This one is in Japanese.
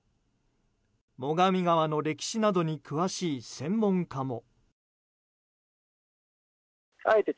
最上川の歴史などに詳しい専門家も。